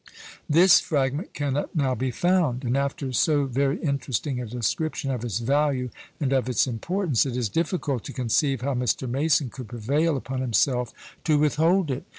This fragment cannot now be found; and after so very interesting a description of its value and of its importance, it is difficult to conceive how Mr. Mason could prevail upon himself to withhold it.